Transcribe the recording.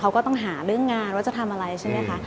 เขาก็ต้องหาเรื่องงานว่าจะทำอะไรใช่ไหมคะ